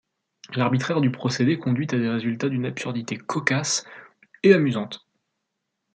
L'arbitraire du procédé conduit à des résultats d'une absurdité cocasse et amusante.